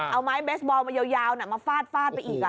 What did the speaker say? เอาไม้เบสบอลมายาวมาฟาดฟาดไปอีก